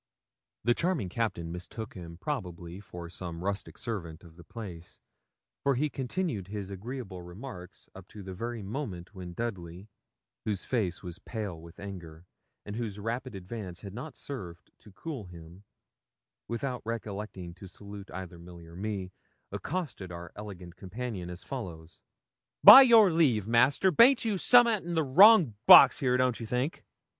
The charming Captain mistook him probably for some rustic servant of the place, for he continued his agreeable remarks up to the very moment when Dudley, whose face was pale with anger, and whose rapid advance had not served to cool him, without recollecting to salute either Milly or me, accosted our elegant companion as follows: 'By your leave, master, baint you summat in the wrong box here, don't you think?'